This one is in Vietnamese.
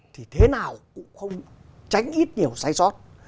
thì thế nào cũng không tránh ít nhiều sai sót